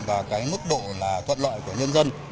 và cái mức độ thuận loại của nhân dân